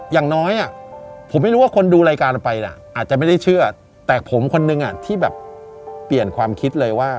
อย่างน้อยผมไม่รู้ว่าคนดูรายการเราไปอาจจะไม่ได้เชื่อแต่ผมคนนึงที่แบบเปลี่ยนความคิดเลยว่า